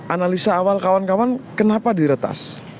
analisa awal kawan kawan kenapa di retas